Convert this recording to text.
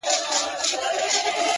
• لومړی ملګری د ډاکټرانو,